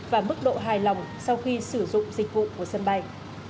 và mức độ hài lòng sau khi sử dụng dịch vụ của sân bay